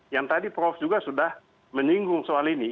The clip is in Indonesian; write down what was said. yang tadi prof juga sudah menyinggung soal ini